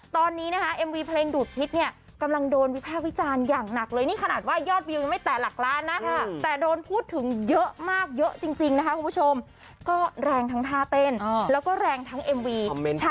ตอนนี้นะคะเอ็มวีเพลงดูดพิษเนี่ยกำลังโดนวิภาควิจารณ์อย่างหนักเลยนี่ขนาดว่ายอดวิวยังไม่แตะหลักล้านนะแต่โดนพูดถึงเยอะมากเยอะจริงนะคะคุณผู้ชมก็แรงทั้งท่าเต้นแล้วก็แรงทั้งเอ็มวี